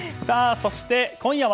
そして、今夜は